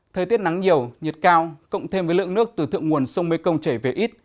thời tiết nắng nhiều nhiệt cao cộng thêm với lượng nước từ thượng nguồn sông mê công chảy về ít